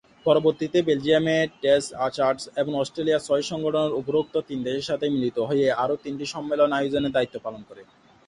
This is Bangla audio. পরবর্তীতে বেলজিয়ামের টেস্ট-আচাটস এবং অস্ট্রেলিয়ার চয়েজ সংগঠন উপরিউক্ত তিন দেশের সাথে মিলিত হয়ে আরো তিনটি সম্মেলন আয়োজনের দায়িত্ব পালন করে।